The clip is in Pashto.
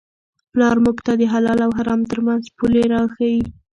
پلار موږ ته د حلال او حرام ترمنځ پولې را ښيي.